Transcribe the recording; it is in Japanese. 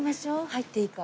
入っていいか。